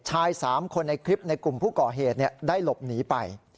ชาย๓คนในคลิปในกลุ่มผู้ก่อเหตุได้หลบหนีไป